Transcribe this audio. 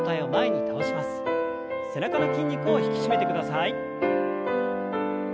背中の筋肉を引き締めてください。